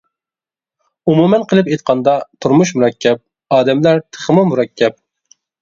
ئومۇمەن قىلىپ ئېيتقاندا، تۇرمۇش مۇرەككەپ، ئادەملەر تېخىمۇ مۇرەككەپ.